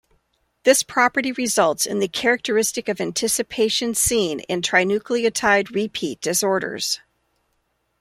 This property results in the characteristic of anticipation seen in trinucleotide repeat disorders.